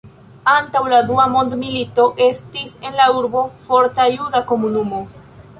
Antaŭ la Dua mondmilito estis en la urbo forta juda komunumo.